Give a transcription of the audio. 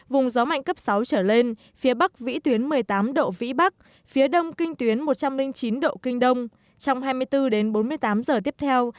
vùng gió mạnh cấp sáu trở lên phía bắc vĩ tuyến một mươi tám độ vĩ bắc phía đông kinh tuyến một trăm linh chín độ kinh đông trong hai mươi bốn bốn mươi tám giờ tiếp theo